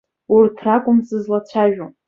Урҭ ракәым сызлацәажәо.